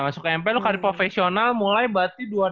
masuk ke mp lu kali profesional mulai berarti dua ribu delapan belas ya